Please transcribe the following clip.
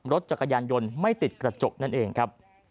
รถจักรยานยนต์ไม่ติดกระจกนั่นเองครับ